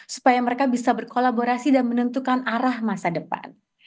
supaya mereka bisa berkolaborasi dan menentukan arah masa depan